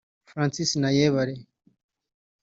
Francis Nayebare